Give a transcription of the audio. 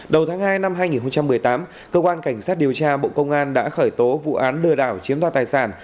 đầu tháng hai năm hai nghìn một mươi tám cơ quan cảnh sát điều tra bộ công an đã khởi tố vụ án lừa đảo chiếm đoạt tài sản